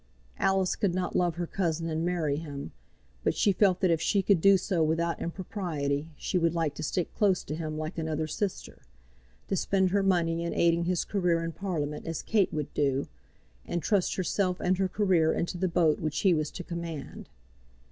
Alice could not love her cousin and marry him; but she felt that if she could do so without impropriety she would like to stick close to him like another sister, to spend her money in aiding his career in Parliament as Kate would do, and trust herself and her career into the boat which he was to command.